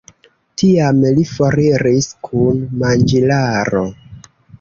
Tiam li foriris kun manĝilaro.